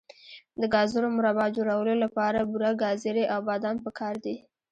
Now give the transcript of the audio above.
د ګازرو مربا جوړولو لپاره بوره، ګازرې او بادام پکار دي.